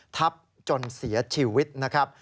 ทับจนเสียชีวิตนะครับ